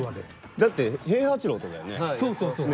だって平八郎とだよね。